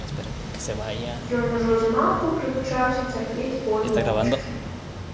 Ён ужо змалку прывучаўся цярпець боль моўчкі.